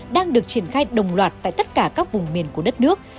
đang được triển khai đồng loạt tại tất cả các vùng miền của đất nước